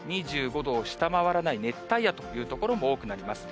２５度を下回らない熱帯夜という所も多くなります。